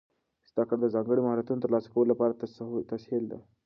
زده کړه د ځانګړو مهارتونو د ترلاسه کولو لپاره تسهیل ده.